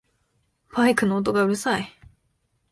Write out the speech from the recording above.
バイクの音がうるさい